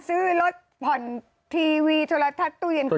ซื้อรถผ่อนทีวีตัวละทักตู้เย็นคือ